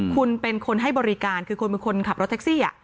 คุณเป็นคนให้บริการคือคุณเป็นคนขับรถแท็กซี่